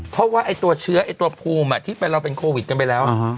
เพราะว่าไอ้ตัวเชื้อไอ้ตัวภูมิที่เราเป็นโควิดกันไปแล้ว